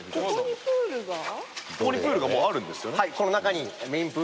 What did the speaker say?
ここにプールがもうあるんですよね？